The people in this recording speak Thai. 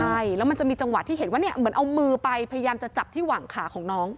ใช่แล้วมันจะมีจังหวะที่เห็นว่าเนี่ยเหมือนเอามือไปพยายามจะจับที่หวังขาของน้อง